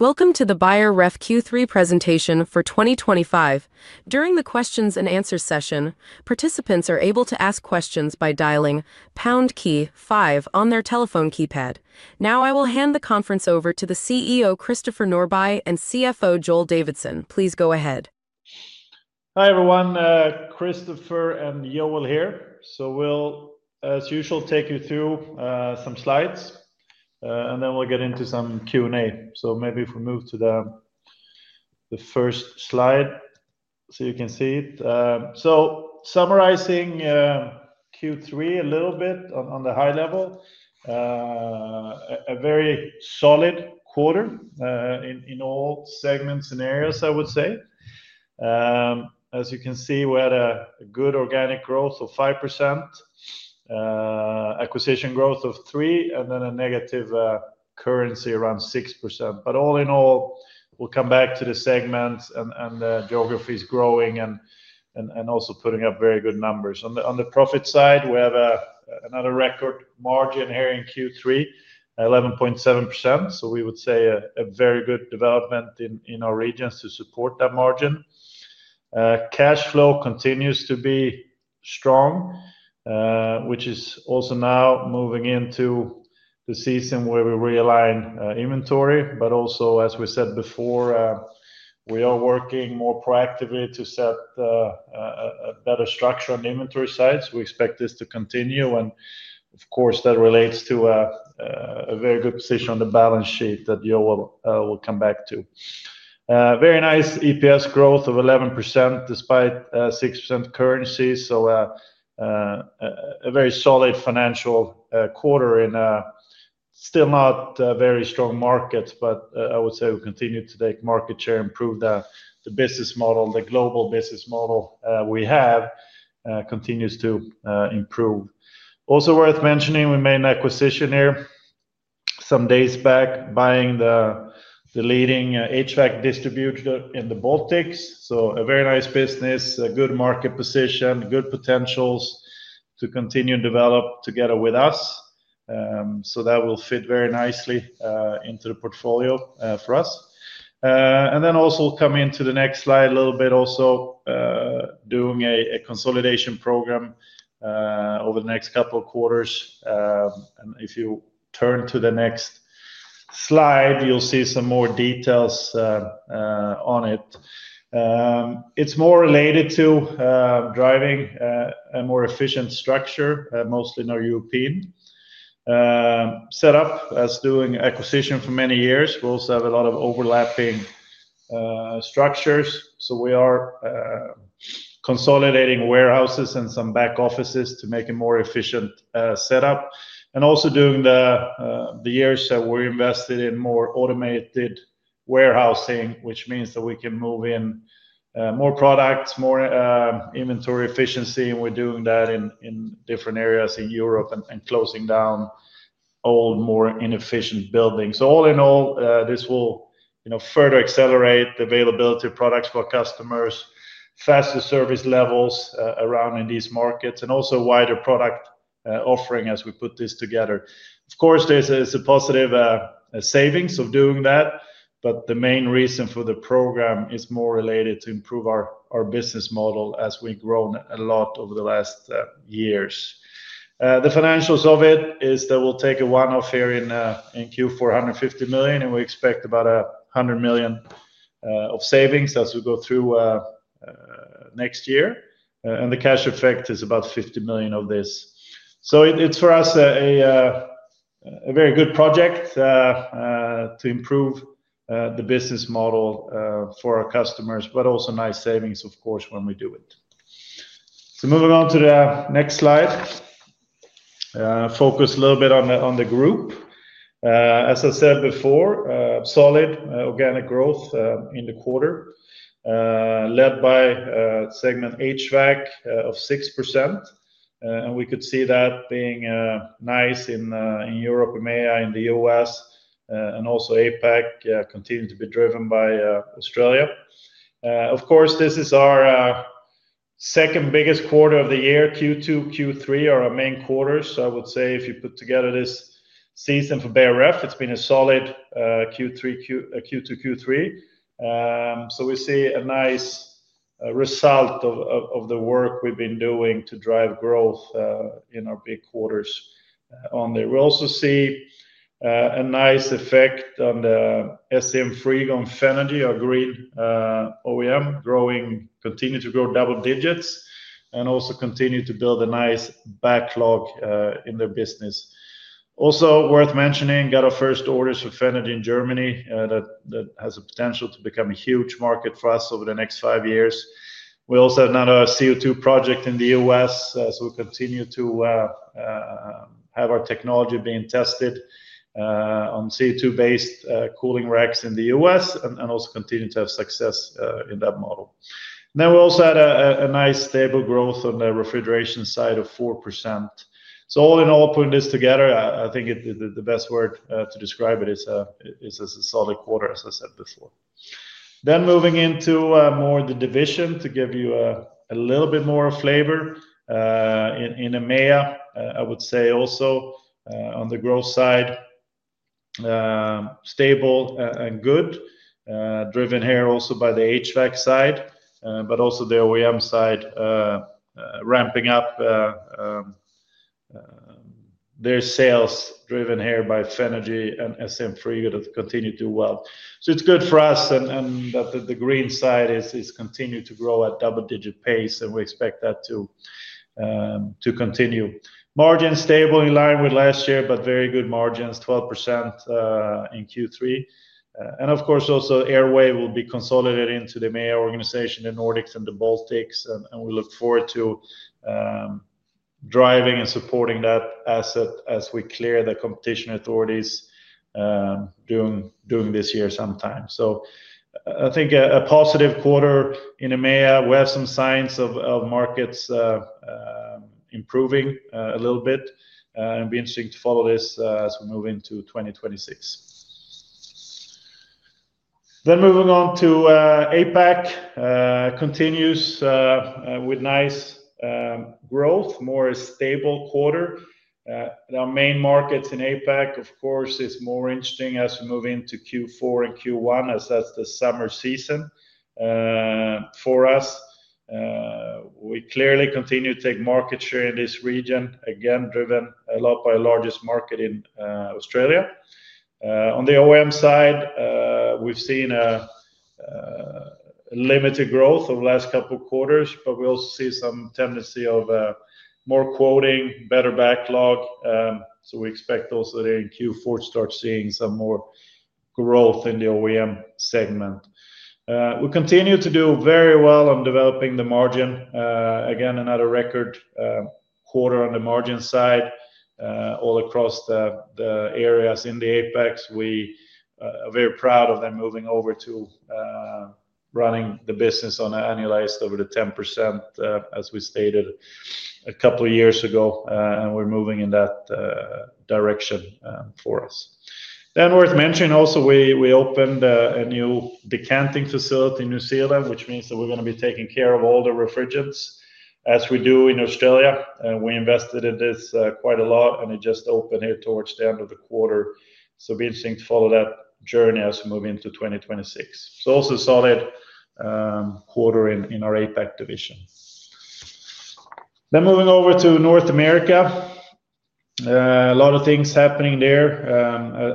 Welcome to the Beijer Ref Q3 presentation for 2025. During the questions and answers session, participants are able to ask questions by dialing 5 on their telephone keypad. Now, I will hand the conference over to the CEO, Christopher Norbye, and CFO, Joel Davidsson. Please go ahead. Hi, everyone. Christopher and Joel here. We'll, as usual, take you through some slides, and then we'll get into some Q&A. Maybe if we move to the first slide so you can see it. Summarizing Q3 a little bit on the high level, a very solid quarter in all segments and areas, I would say. As you can see, we had a good organic growth of 5%, acquisition growth of 3%, and then a negative currency around 6%. All in all, we'll come back to the segments, and the geography is growing and also putting up very good numbers. On the profit side, we have another record margin here in Q3, 11.7%. We would say a very good development in our regions to support that margin. Cash flow continues to be strong, which is also now moving into the season where we realign inventory. As we said before, we are working more proactively to set a better structure on the inventory side. We expect this to continue. Of course, that relates to a very good position on the balance sheet that Joel will come back to. Very nice EPS growth of 11% despite 6% currency. A very solid financial quarter in a still not very strong market, but I would say we continue to take market share, improve the business model. The global business model we have continues to improve. Also worth mentioning, we made an acquisition here some days back, buying the leading HVAC distributor in the Baltics. A very nice business, a good market position, good potentials to continue to develop together with us. That will fit very nicely into the portfolio for us. We'll come into the next slide a little bit, also doing a consolidation program over the next couple of quarters. If you turn to the next slide, you'll see some more details on it. It's more related to driving a more efficient structure, mostly in our European setup, as doing acquisition for many years. We also have a lot of overlapping structures. We are consolidating warehouses and some back offices to make a more efficient setup. During the years, we're invested in more automated warehousing, which means that we can move in more products, more inventory efficiency. We're doing that in different areas in Europe and closing down old, more inefficient buildings. All in all, this will further accelerate the availability of products for our customers, faster service levels around in these markets, and also a wider product offering as we put this together. Of course, there's a positive savings of doing that. The main reason for the program is more related to improve our business model as we've grown a lot over the last years. The financials of it is that we'll take a one-off here in Q4, 150 million, and we expect about 100 million of savings as we go through next year. The cash effect is about 50 million of this. It's for us a very good project to improve the business model for our customers, but also nice savings, of course, when we do it. Moving on to the next slide, focus a little bit on the group. As I said before, solid organic growth in the quarter led by segment HVAC of 6%. We could see that being nice in Europe, EMEA, in the U.S., and also APAC continues to be driven by Australia. This is our second biggest quarter of the year. Q2 and Q3 are our main quarters. If you put together this season for Beijer Ref, it's been a solid Q2 and Q3. We see a nice result of the work we've been doing to drive growth in our big quarters on there. We also see a nice effect on the SEMCO Freegan Fenergy, our green OEM, continuing to grow double digits and also continue to build a nice backlog in their business. Also worth mentioning, got our first orders for Fenergy in Germany. That has the potential to become a huge market for us over the next five years. We also have another CO2 project in the U.S. We continue to have our technology being tested on CO2-based cooling racks in the U.S. and also continue to have success in that model. We also had a nice stable growth on the refrigeration side of 4%. All in all, putting this together, I think the best word to describe it is a solid quarter, as I said before. Moving into more of the division to give you a little bit more flavor. In EMEA, I would say also on the growth side, stable and good, driven here also by the HVAC side, but also the OEM side ramping up their sales driven here by Fenergy and SEM Freegan that continue to do well. It's good for us and that the green side has continued to grow at double-digit pace, and we expect that to continue. Margin stable in line with last year, but very good margins, 12% in Q3. Of course, also Airway will be consolidated into the EMEA organization, the Nordics and the Baltics. We look forward to driving and supporting that asset as we clear the competition authorities during this year sometime. I think a positive quarter in EMEA. We have some signs of markets improving a little bit. It'll be interesting to follow this as we move into 2026. Moving on to APAC, it continues with nice growth, more stable quarter. Our main markets in APAC, of course, are more interesting as we move into Q4 and Q1, as that's the summer season for us. We clearly continue to take market share in this region, again driven a lot by the largest market in Australia. On the OEM side, we've seen a limited growth over the last couple of quarters, but we also see some tendency of more quoting, better backlog. We expect also there in Q4 to start seeing some more growth in the OEM segment. We continue to do very well on developing the margin. Again, another record quarter on the margin side all across the areas in APAC. We are very proud of them moving over to running the business on an annual basis over the 10%, as we stated a couple of years ago. We're moving in that direction for us. Worth mentioning also, we opened a new decanting facility in New Zealand, which means that we're going to be taking care of all the refrigerants as we do in Australia. We invested in this quite a lot, and it just opened here towards the end of the quarter. It'll be interesting to follow that journey as we move into 2026. Also a solid quarter in our APAC division. Moving over to North America, a lot of things happening there,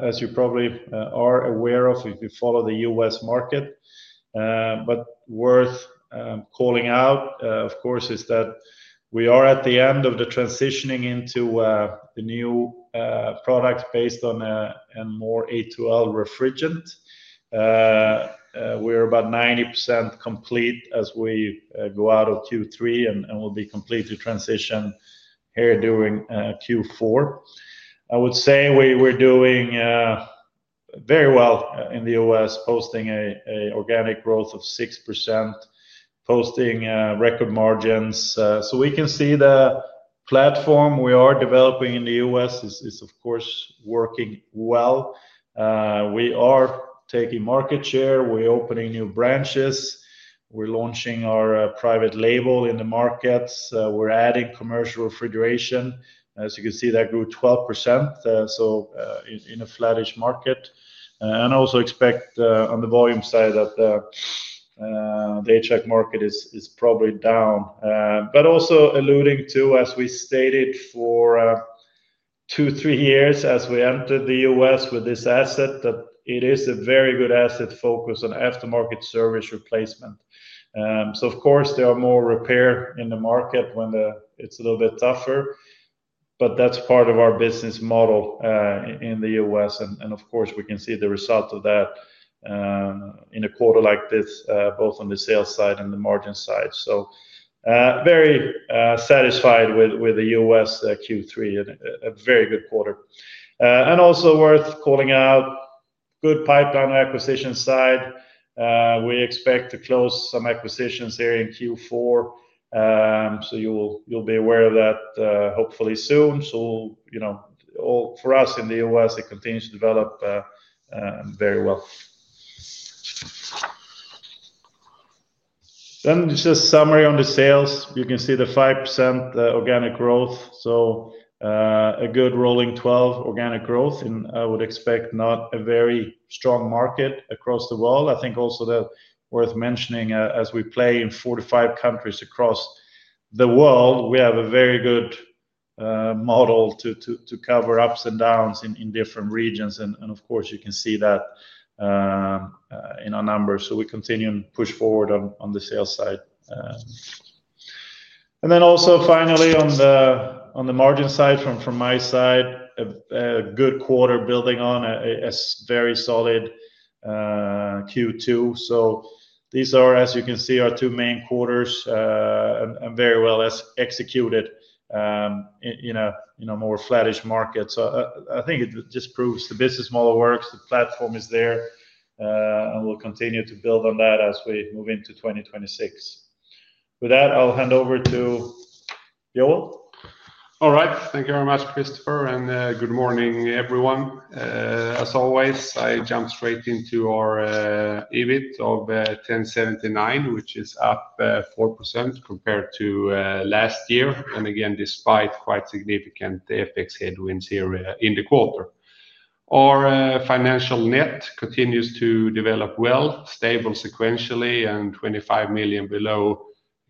as you probably are aware of if you follow the U.S. market. Worth calling out, of course, is that we are at the end of the transitioning into the new products based on a more A2L refrigerant. We are about 90% complete as we go out of Q3 and will be completed transition here during Q4. I would say we're doing very well in the U.S., posting an organic growth of 6%, posting record margins. We can see the platform we are developing in the U.S. is, of course, working well. We are taking market share. We're opening new branches. We're launching our private label in the markets. We're adding commercial refrigeration. As you can see, that grew 12% in a flattish market. I also expect on the volume side that the HVAC market is probably down. Also alluding to, as we stated for two, three years as we entered the U.S. with this asset, that it is a very good asset focused on aftermarket service replacement. There are more repairs in the market when it's a little bit tougher. That's part of our business model in the U.S. Of course, we can see the result of that in a quarter like this, both on the sales side and the margin side. Very satisfied with the U.S. Q3 and a very good quarter. Also worth calling out, good pipeline on the acquisition side. We expect to close some acquisitions here in Q4. You'll be aware of that hopefully soon. For us in the U.S., it continues to develop very well. Just a summary on the sales, you can see the 5% organic growth, so a good rolling 12 organic growth. I would expect not a very strong market across the world. I think that's worth mentioning as we play in 45 countries across the world. We have a very good model to cover ups and downs in different regions. You can see that in our numbers. We continue and push forward on the sales side. Finally, on the margin side from my side, a good quarter building on a very solid Q2. These are, as you can see, our two main quarters and very well executed in a more flattish market. I think it just proves the business model works, the platform is there, and we'll continue to build on that as we move into 2026. With that, I'll hand over to Joel. All right. Thank you very much, Christopher, and good morning, everyone. As always, I jump straight into our EBIT of 1,079 million, which is up 4% compared to last year. Again, despite quite significant FX headwinds here in the quarter, our financial net continues to develop well, stable sequentially, and 25 million below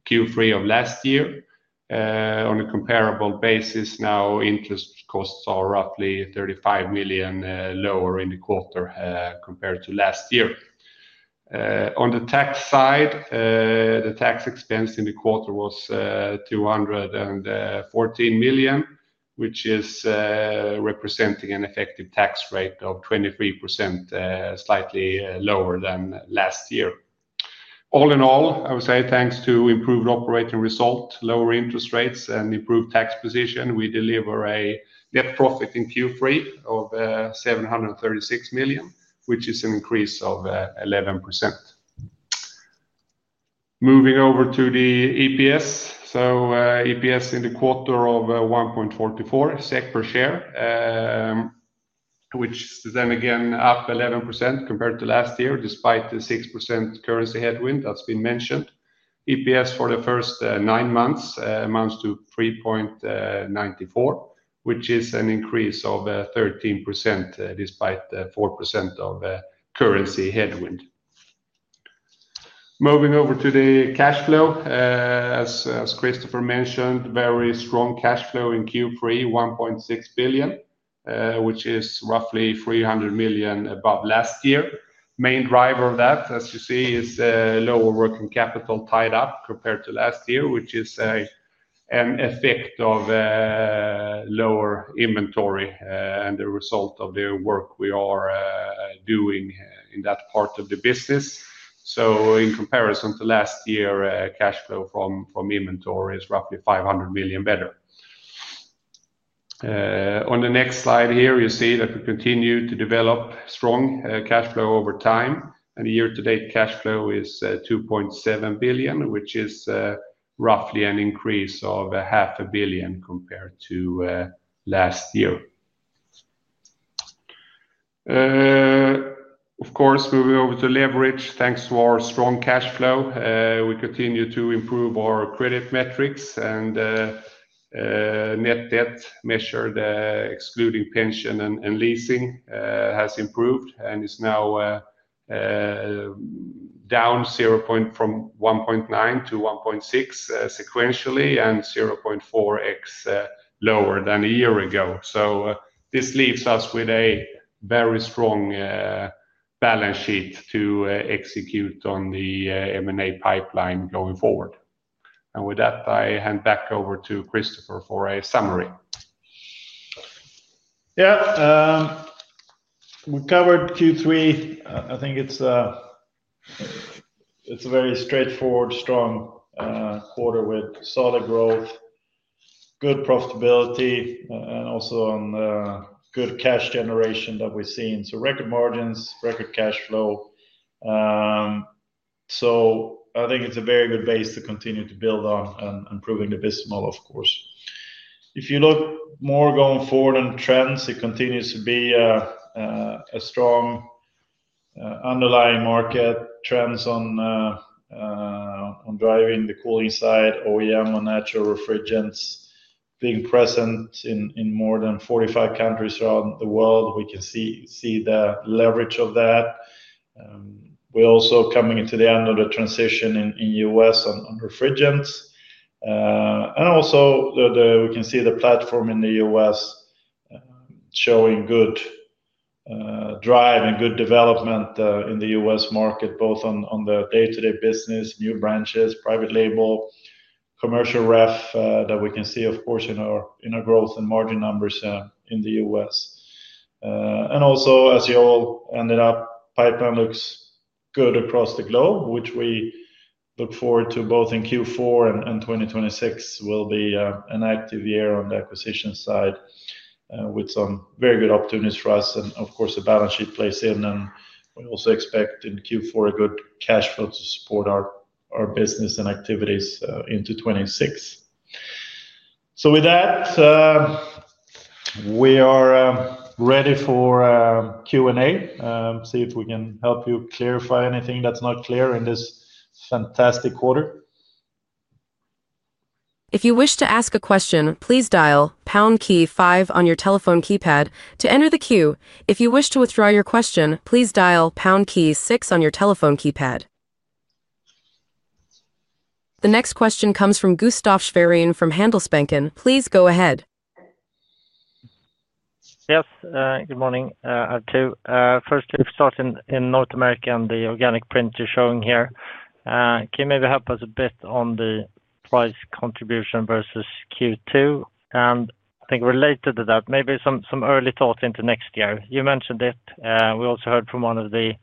Q3 of last year. On a comparable basis, now interest costs are roughly 35 million lower in the quarter compared to last year. On the tax side, the tax expense in the quarter was 214 million, which is representing an effective tax rate of 23%, slightly lower than last year. All in all, I would say thanks to improved operating result, lower interest rates, and improved tax position, we deliver a net profit in Q3 of 736 million, which is an increase of 11%. Moving over to the EPS. EPS in the quarter of 1.44 SEK per share, which is then again up 11% compared to last year, despite the 6% currency headwind that's been mentioned. EPS for the first nine months amounts to 3.94, which is an increase of 13% despite the 4% of currency headwind. Moving over to the cash flow, as Christopher mentioned, very strong cash flow in Q3, 1.6 billion, which is roughly 300 million above last year. Main driver of that, as you see, is lower working capital tied up compared to last year, which is an effect of lower inventory and the result of the work we are doing in that part of the business. In comparison to last year, cash flow from inventory is roughly 500 million better. On the next slide here, you see that we continue to develop strong cash flow over time. The year-to-date cash flow is 2.7 billion, which is roughly an increase of half a billion compared to last year. Of course, moving over to leverage, thanks to our strong cash flow, we continue to improve our credit metrics. The net debt measured, excluding pension and leasing, has improved and is now down from 1.9 billion-1.6 billion sequentially and 0.4x lower than a year ago. This leaves us with a very strong balance sheet to execute on the M&A pipeline going forward. With that, I hand back over to Christopher for a summary. Yeah. We covered Q3. I think it's a very straightforward, strong quarter with solid growth, good profitability, and also on good cash generation that we've seen. Record margins, record cash flow. I think it's a very good base to continue to build on and improving the business model, of course. If you look more going forward on trends, it continues to be a strong underlying market. Trends on driving the cooling side, OEM on natural refrigerants being present in more than 45 countries around the world. We can see the leverage of that. We're also coming into the end of the transition in the U.S. on refrigerants. We can see the platform in the U.S. showing good drive and good development in the U.S. market, both on the day-to-day business, new branches, private label products, commercial refrigeration systems that we can see, of course, in our growth and margin numbers in the U.S. As Joel ended up, pipeline looks good across the globe, which we look forward to both in Q4 and 2026 will be an active year on the acquisition side with some very good opportunities for us. The balance sheet plays in. We also expect in Q4 a good cash flow to support our business and activities into 2026. With that, we are ready for Q&A. See if we can help you clarify anything that's not clear in this fantastic quarter. If you wish to ask a question, please dial 5 on your telephone keypad to enter the queue. If you wish to withdraw your question, please dial 6 on your telephone keypad. The next question comes from Gustaf Schwerin from Handelsbanken. Please go ahead. Yes. Good morning. I have two. First, if you start in North America and the organic print you're showing here, can you maybe help us a bit on the price contribution versus Q2? I think related to that, maybe some early thoughts into next year. You mentioned it. We also heard from one of the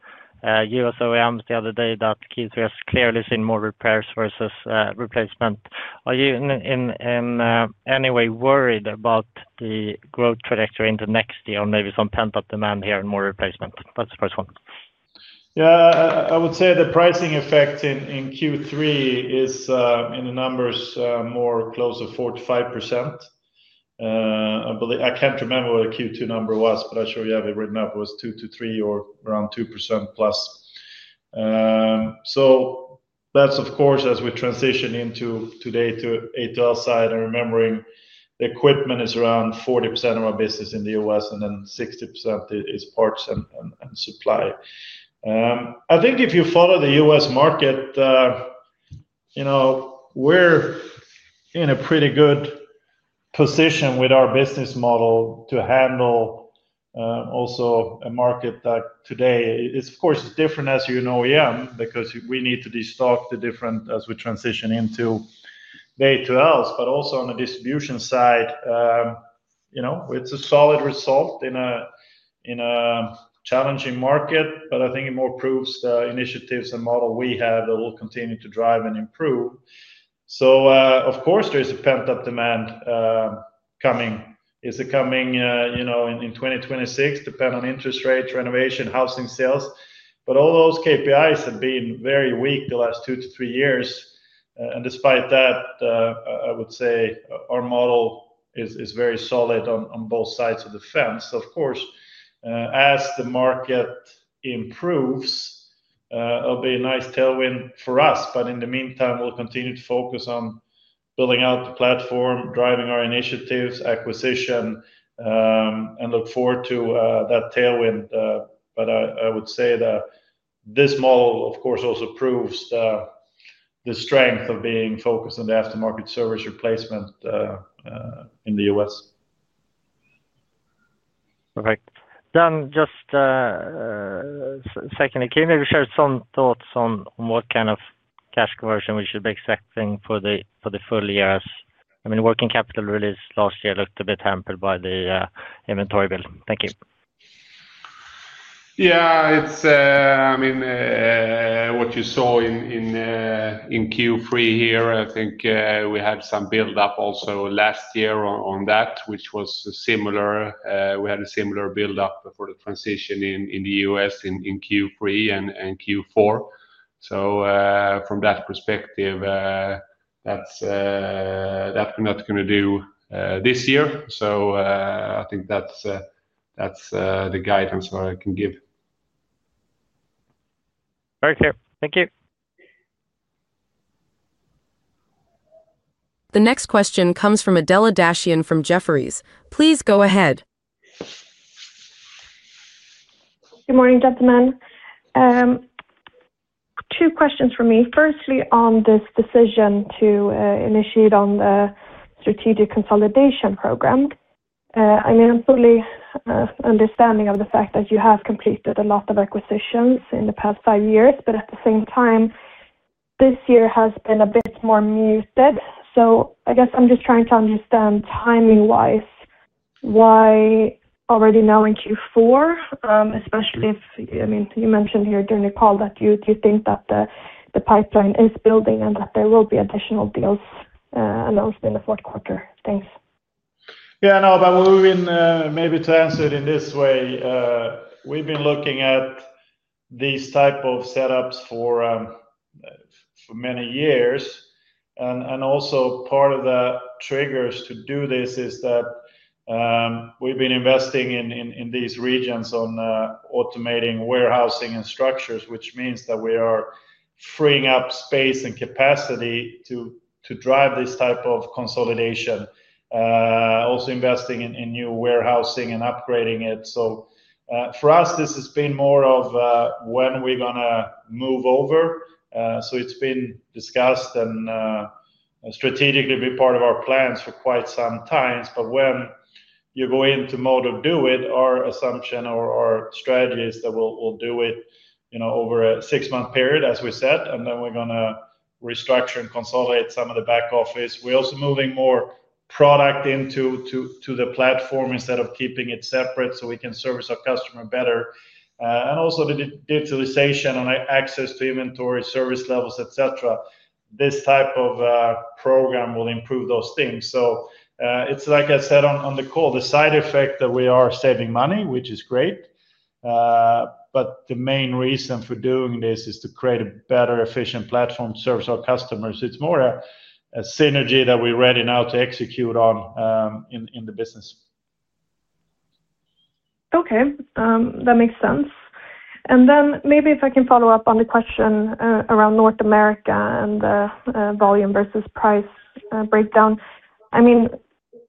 U.S. OEMs the other day that Q3 has clearly seen more repairs versus replacement. Are you in any way worried about the growth trajectory into next year or maybe some pent-up demand here and more replacement? That's the first one. Yeah. I would say the pricing effect in Q3 is, in the numbers, more close to 4%-5%. I can't remember what the Q2 number was, but I'm sure we have it written up. It was 2%-3% or around 2%+. That's, of course, as we transition into today to A2L side and remembering the equipment is around 40% of our business in the U.S. and then 60% is parts and supply. I think if you follow the U.S. market, you know we're in a pretty good position with our business model to handle also a market that today is, of course, different as you know EM because we need to restock the different as we transition into the A2Ls. Also, on the distribution side, you know it's a solid result in a challenging market. I think it more proves the initiatives and model we have that will continue to drive and improve. Of course, there is a pent-up demand coming. Is it coming in 2026? Depend on interest rates, renovation, housing sales. All those KPIs have been very weak the last two to three years. Despite that, I would say our model is very solid on both sides of the fence. Of course, as the market improves, it'll be a nice tailwind for us. In the meantime, we'll continue to focus on building out the platform, driving our initiatives, acquisition, and look forward to that tailwind. I would say that this model, of course, also proves the strength of being focused on the aftermarket service replacement in the U.S. Perfect. Can you maybe share some thoughts on what kind of cash conversion we should be expecting for the full years? I mean, working capital release last year looked a bit hampered by the inventory bill. Thank you. Yeah. I mean, what you saw in Q3 here, I think we had some buildup also last year on that, which was similar. We had a similar buildup for the transition in the U.S. in Q3 and Q4. From that perspective, that's not going to do this year. I think that's the guidance that I can give. Very clear. Thank you. The next question comes from Adela Dashian from Jefferies. Please go ahead. Good morning, gentlemen. Two questions from me. Firstly, on this decision to initiate on the strategic consolidation program. I'm fully understanding of the fact that you have completed a lot of acquisitions in the past five years, but at the same time, this year has been a bit more muted. I guess I'm just trying to understand timing-wise why already now in Q4, especially if, I mean, you mentioned here during the call that you think that the pipeline is building and that there will be additional deals announced in the fourth quarter. Thanks. Yeah. No, but we've been, maybe to answer it in this way, we've been looking at these types of setups for many years. Also, part of the triggers to do this is that we've been investing in these regions on automating warehousing and structures, which means that we are freeing up space and capacity to drive this type of consolidation. Also investing in new warehousing and upgrading it. For us, this has been more of when we're going to move over. It's been discussed and strategically been part of our plans for quite some time. When you go into mode of do it, our assumption or our strategy is that we'll do it over a six-month period, as we said, and then we're going to restructure and consolidate some of the back office. We're also moving more product into the platform instead of keeping it separate so we can service our customer better. Also, the digitalization and access to inventory, service levels, etc., this type of program will improve those things. Like I said on the call, the side effect is that we are saving money, which is great. The main reason for doing this is to create a better, efficient platform to service our customers. It's more a synergy that we're ready now to execute on in the business. Okay. That makes sense. Maybe if I can follow up on the question around North America and the volume versus price breakdown. I mean,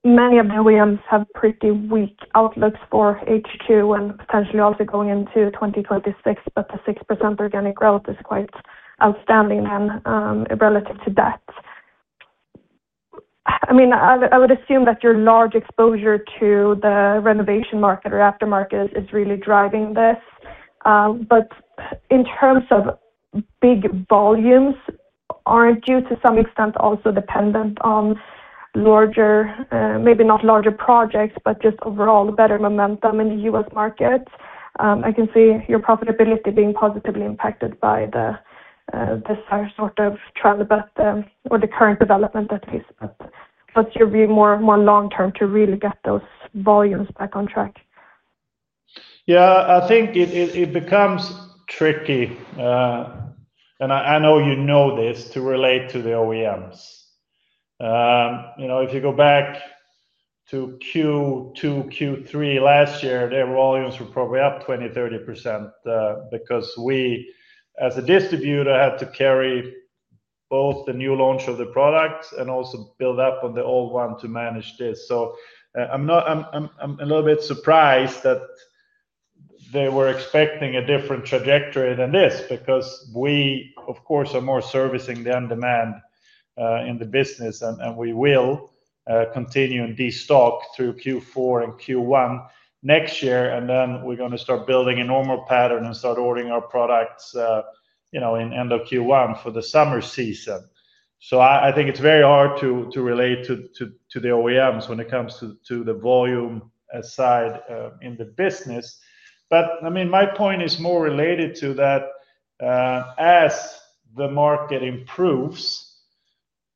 many of the OEMs have pretty weak outlooks for H2 and potentially also going into 2026, but the 6% organic growth is quite outstanding then relative to that. I mean, I would assume that your large exposure to the renovation market or aftermarket is really driving this. In terms of big volumes, aren't you to some extent also dependent on maybe not larger projects, but just overall better momentum in the U.S. market? I can see your profitability being positively impacted by this sort of trend or the current development that is. What's your view more long-term to really get those volumes back on track? Yeah. I think it becomes tricky, and I know you know this, to relate to the OEMs. If you go back to Q2, Q3 last year, their volumes were probably up 20%, 30% because we, as a distributor, had to carry both the new launch of the product and also build up on the old one to manage this. I'm a little bit surprised that they were expecting a different trajectory than this because we, of course, are more servicing than demand in the business. We will continue and destock through Q4 and Q1 next year. We're going to start building a normal pattern and start ordering our products in the end of Q1 for the summer season. I think it's very hard to relate to the OEMs when it comes to the volume side in the business. My point is more related to that as the market improves,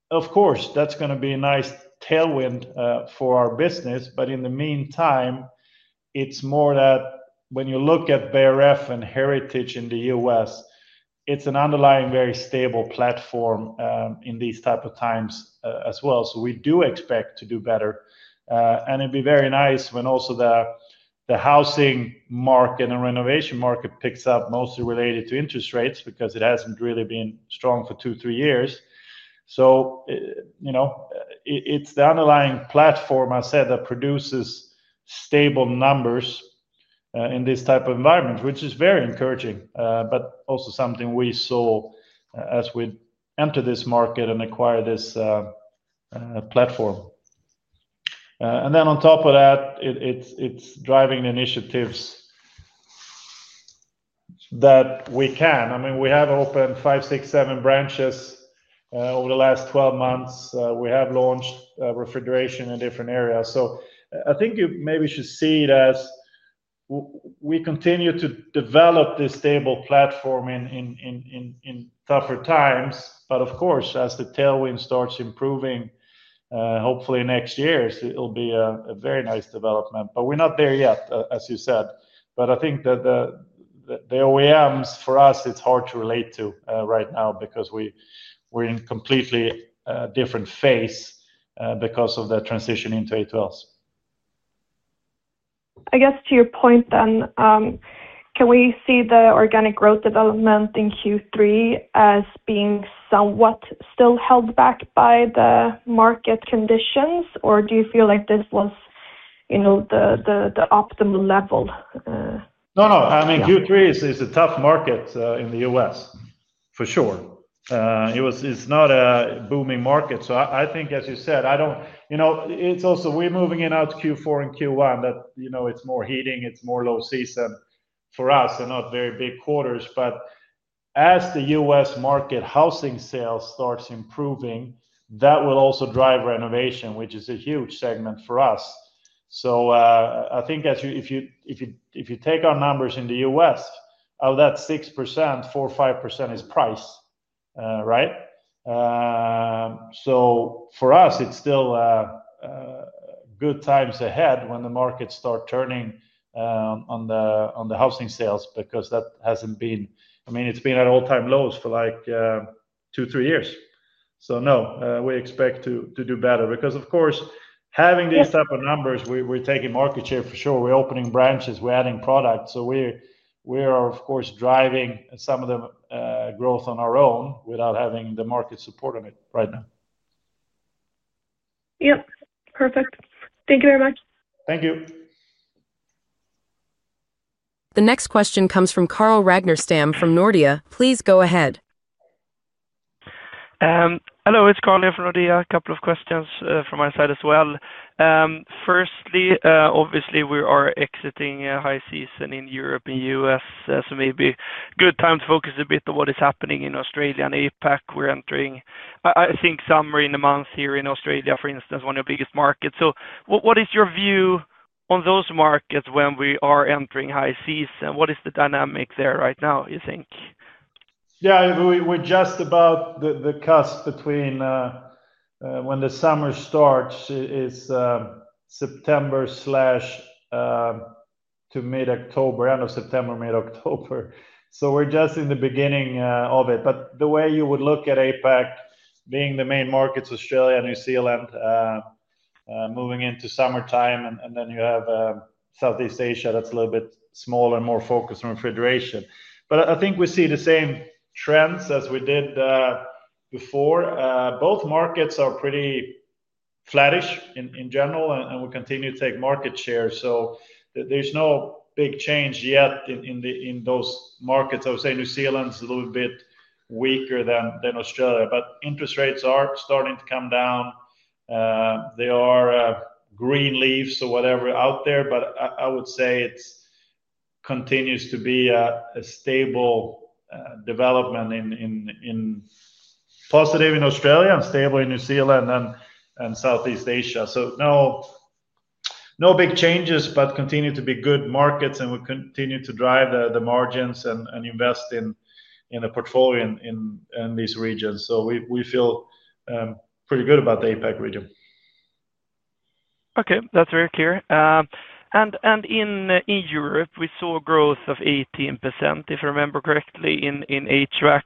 of course, that's going to be a nice tailwind for our business. In the meantime, it's more that when you look at Beijer Ref and Heritage in the U.S., it's an underlying very stable platform in these types of times as well. We do expect to do better. It'd be very nice when also the housing market and renovation market picks up, mostly related to interest rates because it hasn't really been strong for two, three years. It's the underlying platform, as I said, that produces stable numbers in this type of environment, which is very encouraging, but also something we saw as we entered this market and acquired this platform. On top of that, it's driving the initiatives that we can. We have opened five, six, seven branches over the last 12 months. We have launched refrigeration in different areas. I think you maybe should see it as we continue to develop this stable platform in tougher times. Of course, as the tailwind starts improving, hopefully next year, it'll be a very nice development. We're not there yet, as you said. I think that the OEMs for us, it's hard to relate to right now because we're in a completely different phase because of the transition into A2L refrigerants. I guess to your point then, can we see the organic growth development in Q3 as being somewhat still held back by the market conditions? Or do you feel like this was, you know, the optimal level? No, no. Q3 is a tough market in the U.S., for sure. It's not a booming market. As you said, it's also we're moving in out to Q4 and Q1. That, you know, it's more heating. It's more low season for us and not very big quarters. As the U.S. market housing sales start improving, that will also drive renovation, which is a huge segment for us. If you take our numbers in the U.S., out of that 6%, 4% or 5% is price, right? For us, it's still good times ahead when the market starts turning on the housing sales because that hasn't been, I mean, it's been at all-time lows for like two, three years. We expect to do better because, of course, having these type of numbers, we're taking market share for sure. We're opening branches. We're adding products. We are, of course, driving some of the growth on our own without having the market support on it right now. Yep, perfect. Thank you very much. Thank you. The next question comes from Carl Ragnerstam from Nordea. Please go ahead. Hello. It's Carl here from Nordea. A couple of questions from my side as well. Firstly, obviously, we are exiting high season in Europe and the U.S. Maybe a good time to focus a bit on what is happening in Australia and APAC. We're entering, I think, summer in the month here in Australia, for instance, one of the biggest markets. What is your view on those markets when we are entering high season? What is the dynamic there right now, you think? Yeah. We're just about the cusp between when the summer starts, it's September to mid-October, end of September, mid-October. We're just in the beginning of it. The way you would look at APAC being the main markets, Australia and New Zealand, moving into summertime, and then you have Southeast Asia that's a little bit smaller and more focused on refrigeration. I think we see the same trends as we did before. Both markets are pretty flattish in general, and we continue to take market share. There's no big change yet in those markets. I would say New Zealand is a little bit weaker than Australia. Interest rates are starting to come down. There are green leaves or whatever out there. I would say it continues to be a stable development, positive in Australia and stable in New Zealand and Southeast Asia. No big changes, but continue to be good markets. We continue to drive the margins and invest in the portfolio in these regions. We feel pretty good about the APAC region. Okay. That's very clear. In Europe, we saw growth of 18% in HVAC.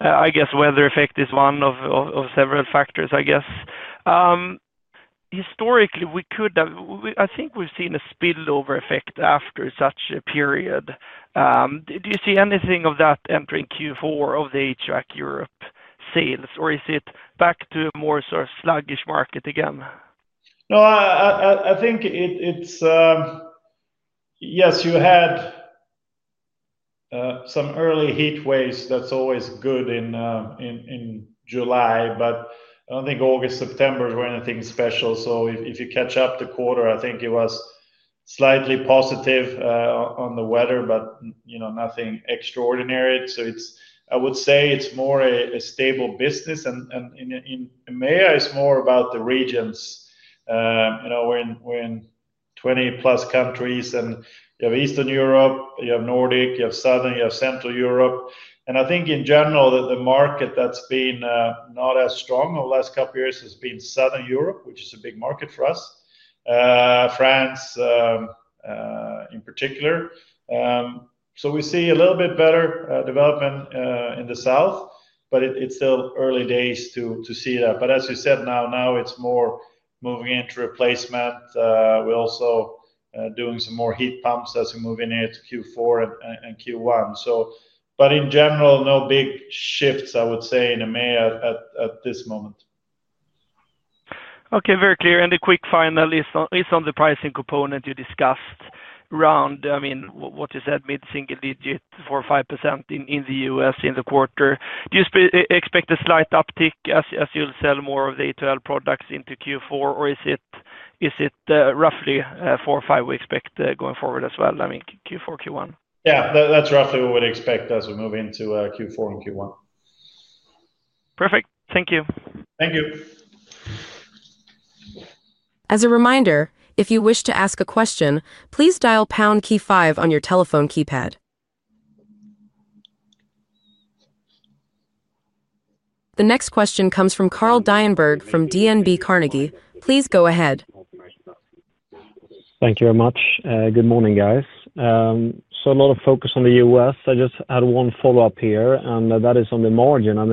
I guess weather effect is one of several factors, I guess. Historically, I think we've seen a spillover effect after such a period. Do you see anything of that entering Q4 of the HVAC Europe sales, or is it back to a more sort of sluggish market again? No, I think it's, yes, you had some early heat waves. That's always good in July. I don't think August, September were anything special. If you catch up the quarter, I think it was slightly positive on the weather, but nothing extraordinary. I would say it's more a stable business. EMEA is more about the regions. We're in 20+ countries. You have Eastern Europe, you have Nordic, you have Southern, you have Central Europe. I think in general, the market that's been not as strong over the last couple of years has been Southern Europe, which is a big market for us, France in particular. We see a little bit better development in the South, but it's still early days to see that. As you said, now it's more moving into replacement. We're also doing some more heat pumps as we move in here to Q4 and Q1. In general, no big shifts, I would say, in EMEA at this moment. Okay. Very clear. A quick final is on the pricing component you discussed around, I mean, what you said, mid-single-digit 4% or 5% in the U.S. in the quarter. Do you expect a slight uptick as you'll sell more of the A2L products into Q4, or is it roughly 4% or 5% we expect going forward as well, I mean, Q4, Q1? Yeah, that's roughly what we'd expect as we move into Q4 and Q1. Perfect. Thank you. Thank you. As a reminder, if you wish to ask a question, please dial 5 on your telephone keypad. The next question comes from Carl Deijenberg from DNB Carnegie. Please go ahead. Thank you very much. Good morning, guys. A lot of focus on the U.S. I just had one follow-up here, and that is on the margin. I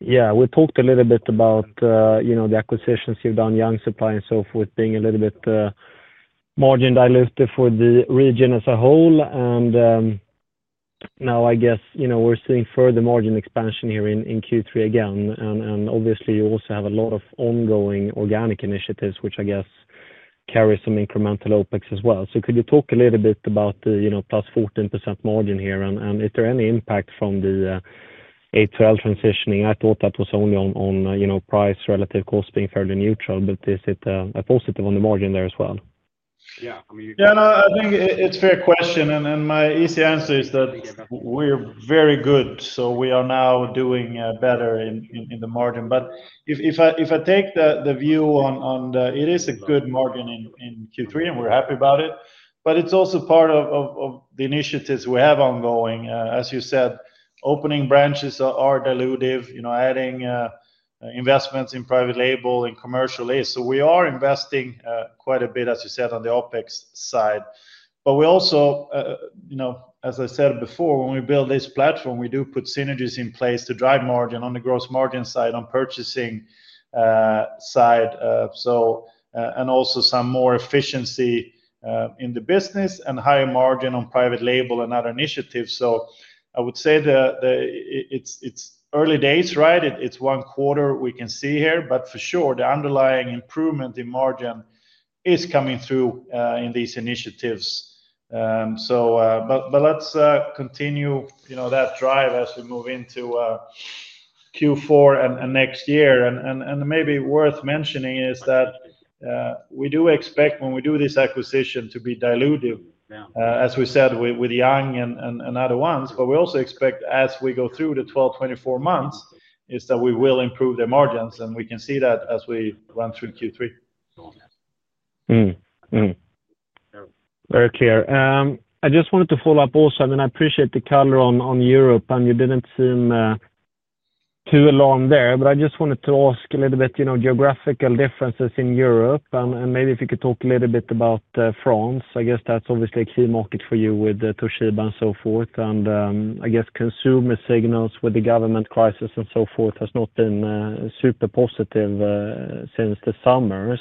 mean, yeah, we talked a little bit about the acquisitions you've done, Young Supply and so forth, being a little bit margin diluted for the region as a whole. I guess, you know, we're seeing further margin expansion here in Q3 again. Obviously, you also have a lot of ongoing organic initiatives, which I guess carry some incremental OpEx as well. Could you talk a little bit about the plus 14% margin here? Is there any impact from the A2L transitioning? I thought that was only on price relative cost being fairly neutral, but is it a positive on the margin there as well? Yeah, I mean, yeah, no, I think it's a fair question. My easy answer is that we're very good. We are now doing better in the margin. If I take the view on it, it is a good margin in Q3, and we're happy about it. It's also part of the initiatives we have ongoing. As you said, opening branches are dilutive, you know, adding investments in private label and commercial lease. We are investing quite a bit, as you said, on the OpEx side. As I said before, when we build this platform, we do put synergies in place to drive margin on the gross margin side, on purchasing side, and also some more efficiency in the business and higher margin on private label and other initiatives. I would say that it's early days, right? It's one quarter we can see here. For sure, the underlying improvement in margin is coming through in these initiatives. Let's continue that drive as we move into Q4 and next year. Maybe worth mentioning is that we do expect when we do this acquisition to be dilutive, as we said, with Young Supply and other ones. We also expect as we go through the 12 to 24 months that we will improve the margins. We can see that as we run through Q3. Very clear. I just wanted to follow up also. I mean, I appreciate the color on Europe, and you didn't seem too alarmed there. I just wanted to ask a little bit, you know, geographical differences in Europe. Maybe if you could talk a little bit about France. I guess that's obviously a key market for you with Toshiba and so forth. I guess consumer signals with the government crisis and so forth have not been super positive since the summer.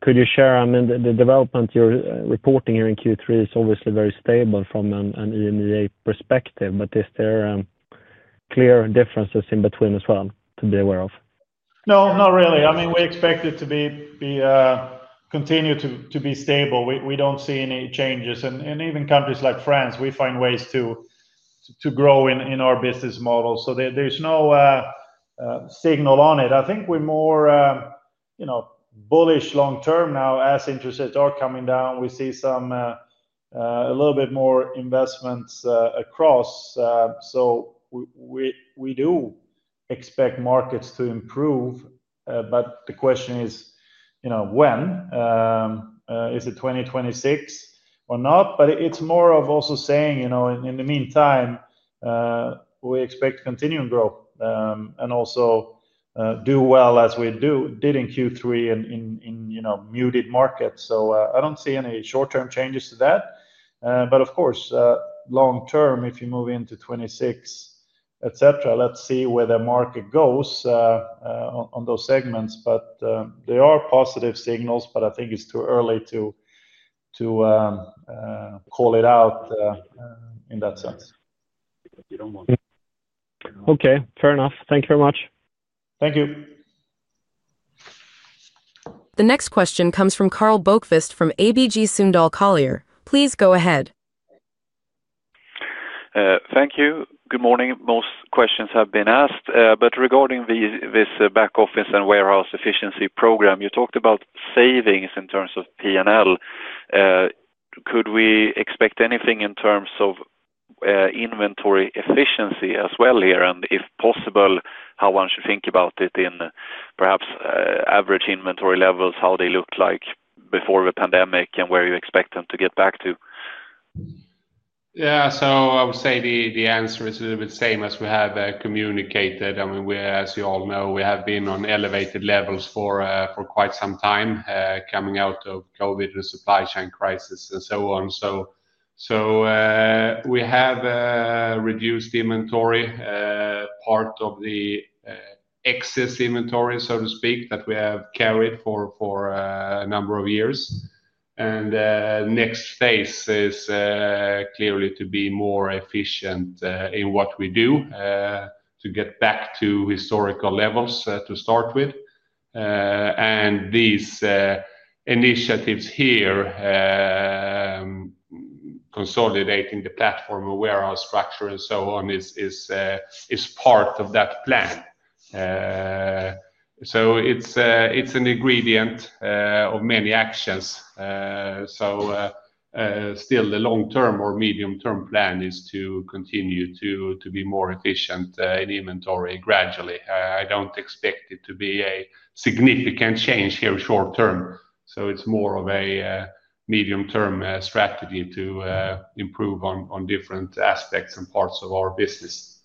Could you share? I mean, the development you're reporting here in Q3 is obviously very stable from an EMEA perspective. Is there clear differences in between as well to be aware of? No, not really. I mean, we expect it to continue to be stable. We don't see any changes. Even countries like France, we find ways to grow in our business model. There's no signal on it. I think we're more bullish long-term now as interest rates are coming down. We see a little bit more investments across. We do expect markets to improve. The question is, you know, when? Is it 2026 or not? It's more of also saying, you know, in the meantime, we expect continuing growth and also do well as we did in Q3 in muted markets. I don't see any short-term changes to that. Of course, long-term, if you move into 2026, etc., let's see where the market goes on those segments. There are positive signals, but I think it's too early to call it out in that sense. Okay. Fair enough. Thank you very much. Thank you. The next question comes from Karl Bokvist from ABG Sundal Collier. Please go ahead. Thank you. Good morning. Most questions have been asked. Regarding this back office and warehouse efficiency program, you talked about savings in terms of P&L. Could we expect anything in terms of inventory efficiency as well here? If possible, how should one think about it in perhaps average inventory levels, how they looked like before the pandemic, and where you expect them to get back to? Yeah. I would say the answer is a little bit the same as we have communicated. I mean, as you all know, we have been on elevated levels for quite some time, coming out of COVID and the supply chain crisis and so on. We have reduced inventory, part of the excess inventory, so to speak, that we have carried for a number of years. The next phase is clearly to be more efficient in what we do to get back to historical levels to start with. These initiatives here, consolidating the platform, a warehouse structure, and so on, are part of that plan. It is an ingredient of many actions. Still, the long-term or medium-term plan is to continue to be more efficient in inventory gradually. I don't expect it to be a significant change here short-term. It is more of a medium-term strategy to improve on different aspects and parts of our business.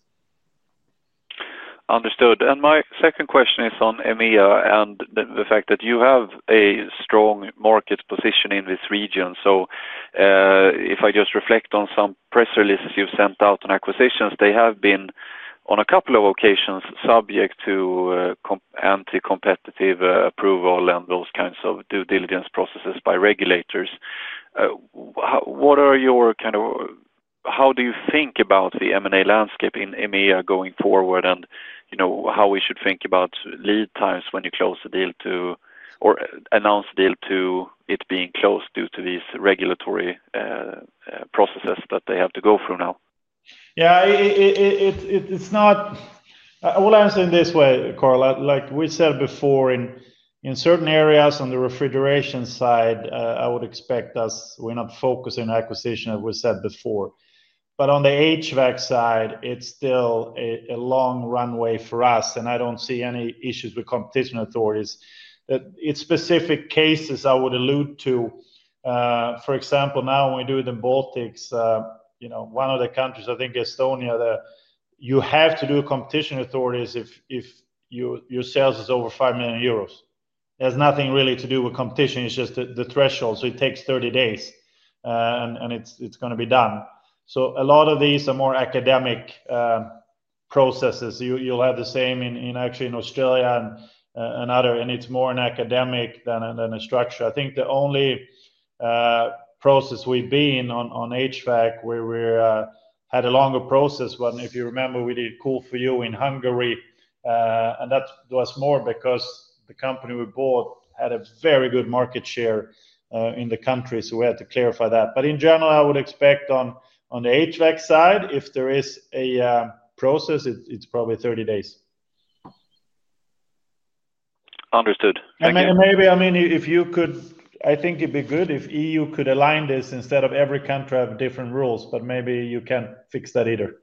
Understood. My second question is on EMEA and the fact that you have a strong market position in this region. If I just reflect on some press releases you've sent out on acquisitions, they have been, on a couple of occasions, subject to anti-competitive approval and those kinds of due diligence processes by regulators. What are your kind of how do you think about the M&A landscape in EMEA going forward and how we should think about lead times when you close a deal or announce a deal to it being closed due to these regulatory processes that they have to go through now? Yeah. I will answer in this way, Karl. Like we said before, in certain areas on the refrigeration side, I would expect us we're not focusing on acquisition, as we said before. On the HVAC side, it's still a long runway for us. I don't see any issues with competition authorities. It's specific cases I would allude to. For example, now when we do the Baltics, you know, one of the countries, I think Estonia, you have to do competition authorities if your sales is over 5 million euros. It has nothing really to do with competition. It's just the threshold. It takes 30 days, and it's going to be done. A lot of these are more academic processes. You'll have the same actually in Australia and others. It's more an academic than a structure. I think the only process we've been on HVAC, where we had a longer process, if you remember, we did Cool4U in Hungary. That was more because the company we bought had a very good market share in the country. We had to clarify that. In general, I would expect on the HVAC side, if there is a process, it's probably 30 days. Understood. Thank you. I think it'd be good if the EU could align this instead of every country having different rules. Maybe you can't fix that either.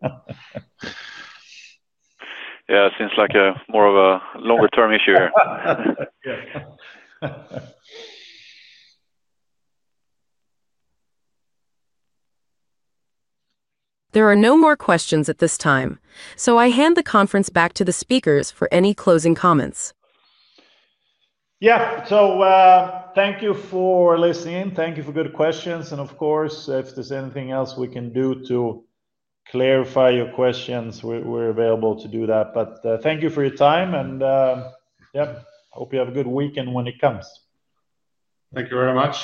Yeah, it seems like more of a longer-term issue here. There are no more questions at this time. I hand the conference back to the speakers for any closing comments. Thank you for listening. Thank you for good questions. Of course, if there's anything else we can do to clarify your questions, we're available to do that. Thank you for your time. Hope you have a good weekend when it comes. Thank you very much.